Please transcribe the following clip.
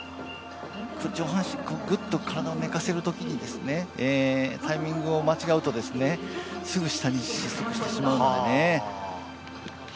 上半身、ぐっと体を寝かせるときにタイミングを間違うと、すぐ下に失速してしまうのでね。